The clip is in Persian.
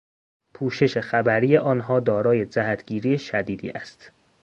پوشش خبری آنها دارای جهتگیری شدیدی است.